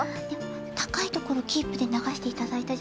たかいところキープでながしていただいたじゃないですか。